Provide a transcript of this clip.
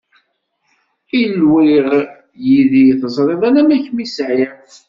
Ilwiɣ yid-i, teẓriḍ ala kem i sɛiɣ